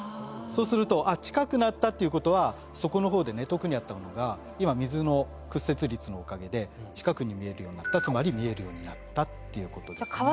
そうすると近くなったっていうことは底の方でね遠くにあったものが今水の屈折率のおかげで近くに見えるようになったつまり見えるようになったっていうことですね。